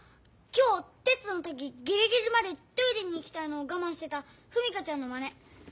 今日テストの時ギリギリまでトイレに行きたいのをがまんしてた史佳ちゃんのまね。